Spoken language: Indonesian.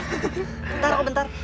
bentar kok bentar